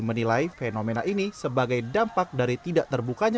menilai fenomena ini sebagai dampak dari tidak terbukanya